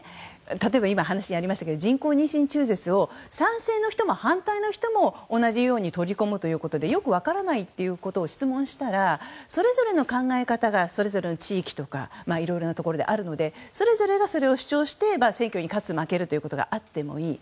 例えば話にありましたけど人工妊娠中絶を賛成の人も反対の人も同じように取り込もうということでよく分からないということを質問したら、それぞれの考え方がそれぞれの地域とかいろいろなところであるのでそれぞれがそれを主張して選挙に勝つ、負けるということがあってもいい。